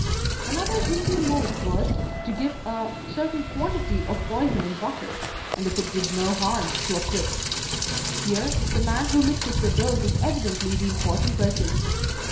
Another Hindoo mode was, to give a certain quantity of poison in butter, and if it did no harm, to acquit. Here, the man who mixes the dose is evidently the important person.